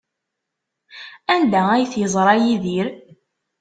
Anda ay t-yeẓra Yidir?